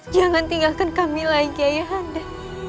jangan tinggalkan kami lagi kiai anda